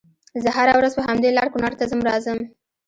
زه هره ورځ په همدې لار کونړ ته ځم راځم